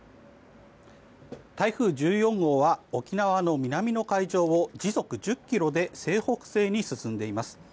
台風１４号は沖縄の南の海上を時速１０ｋｍで西北西に進んでいます。